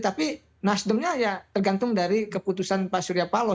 tapi nasdemnya ya tergantung dari keputusan pak surya paloh